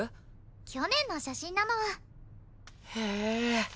去年の写真なのへえ